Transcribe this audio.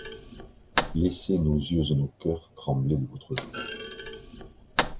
Laissez nos yeux et nos cœurs trembler de votre joie.